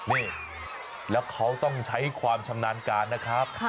นี่แล้วเขาต้องใช้ความชำนาญการนะครับ